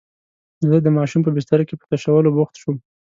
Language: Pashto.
زه د ماشوم په بستره کې په تشولو بوخت شوم.